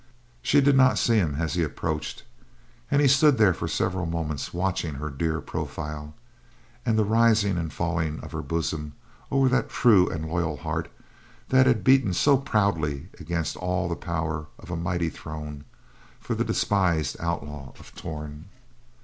She did not see him as he approached, and he stood there for several moments watching her dear profile, and the rising and falling of her bosom over that true and loyal heart that had beaten so proudly against all the power of a mighty throne for the despised Outlaw of Torn.